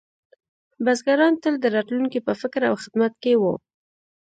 بزګران تل د راتلونکي په فکر او خدمت کې وو.